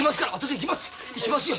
行きますよ。